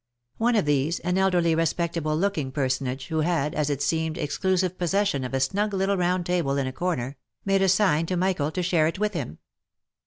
One of these, an elderly respectable looking personage, who had, as it seemed, exclu sive possession of a snug little round table in a corner, made a sign to Michael to share it with him.